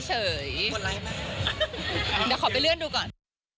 เดี๋ยวขอไปเลื่อนดูก่อน